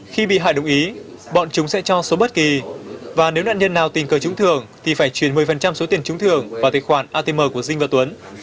khi bị hại đồng ý bọn chúng sẽ cho số bất kỳ và nếu nạn nhân nào tình cờ trúng thường thì phải chuyển một mươi số tiền trúng thường vào tài khoản atm của dinh và tuấn